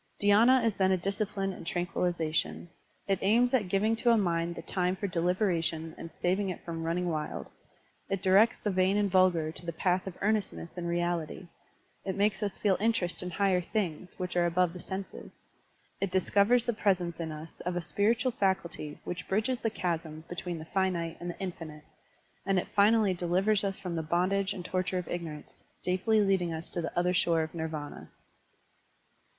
DhySna is then a discipline in tranquillization. It aims at giving to a mind the time for deliberation and saving it from running wild; it directs the vain and vulgar to the path of earnestness and reality; it makes us feel interest in higher things which are above the senses; it discovers the presence in us of a spiritual faculty which bridges the chasm between the finite and the infinite; and it finally delivers us from the bondage and torture of ignorance, safely leading us to the other shore of Nirvana.